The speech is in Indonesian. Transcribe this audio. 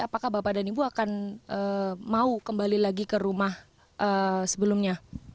apakah bapak dan ibu akan mau kembali lagi ke rumah sebelumnya